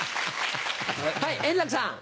はい円楽さん。